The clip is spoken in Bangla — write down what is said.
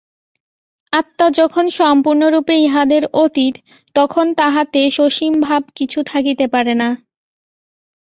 আত্মা যখন সম্পূর্ণরূপে ইহাদের অতীত, তখন তাঁহাতে সসীম ভাব কিছু থাকিতে পারে না।